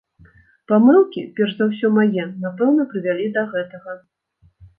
Памылкі, перш за ўсё мае, напэўна, прывялі да гэтага.